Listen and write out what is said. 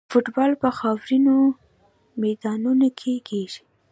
فوټبال په خاورینو میدانونو کې کیږي.